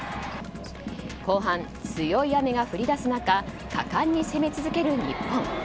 後半、強い雨が降り出す中果敢に攻め続ける日本。